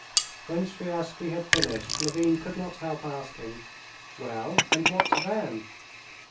When Sviazhsky had finished, Levin could not help asking: "Well, and what then?"